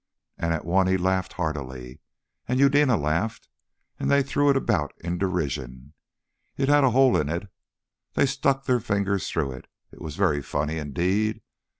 And at one he laughed heartily, and Eudena laughed, and they threw it about in derision. It had a hole in it. They stuck their fingers through it, it was very funny indeed.